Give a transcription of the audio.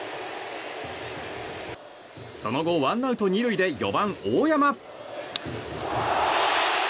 その後、ワンアウト２塁で４番、大山。